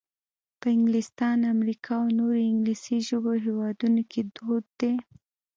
په انګلستان، امریکا او نورو انګلیسي ژبو هېوادونو کې دود دی.